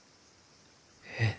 えっ？